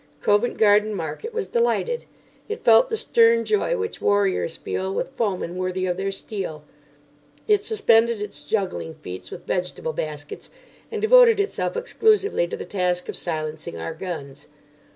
Covent Garden market was delighted. It felt the stern joy which warriors feel with foemen worthy of their steel. It suspended its juggling feats with vegetable baskets, and devoted itself exclusively to the task of silencing our guns.